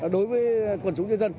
đối với quần chúng nhân dân